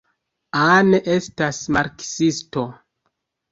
Anne estas marksisto.